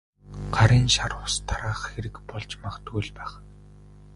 Гарын шар ус тараах хэрэг болж магадгүй л байх.